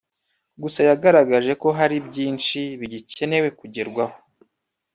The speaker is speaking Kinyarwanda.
Gusa yagaragaje ko hari byinshi bigikenewe kugerwaho